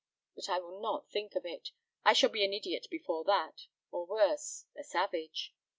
But I will not think of it. I shall be an idiot before that, or worse, a savage."